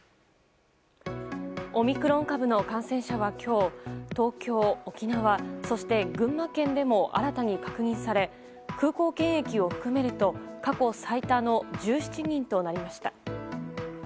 オミクロン株の感染者は今日東京、沖縄そして群馬県でも新たに確認され空港検疫を含めると過去最多の１７人となりました。